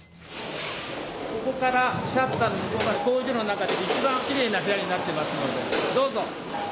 ここからシャッターの向こうが工場の中でいちばんきれいな部屋になってますのでどうぞ！